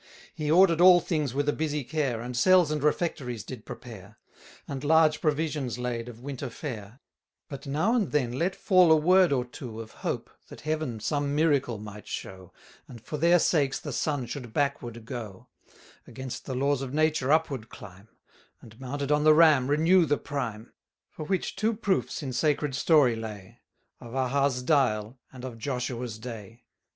He order'd all things with a busy care, And cells and refectories did prepare, 530 And large provisions laid of winter fare: But now and then let fall a word or two Of hope, that Heaven some miracle might show, And for their sakes the sun should backward go; Against the laws of nature upward climb, 535 And, mounted on the Ram, renew the prime: For which two proofs in sacred story lay, Of Ahaz' dial, and of Joshua's day.